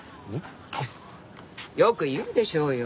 よく言うでしょうよ。